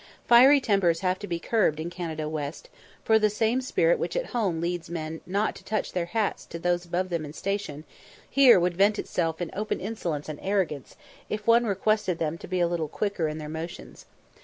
Fiery tempers have to be curbed in Canada West, for the same spirit which at home leads men not to "touch their hats" to those above them in station, here would vent itself in open insolence and arrogance, if one requested them to be a little quicker in their motions.